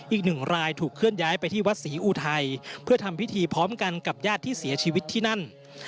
อีกหนึ่งรายถูกเคลื่อนย้ายไปที่วัดศรีอุทัยเพื่อทำพิธีพร้อมกันกับญาติที่เสียชีวิตที่นั่น